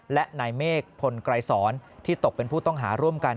และนายเมฆพลไกรสอนที่ตกเป็นผู้ต้องหาร่วมกัน